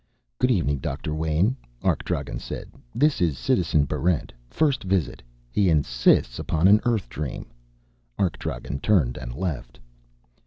"Good evening, Doctor Wayn," Arkdragen said. "This is Citizen Barrent. First visit. He insists upon an Earth dream." Arkdragen turned and left.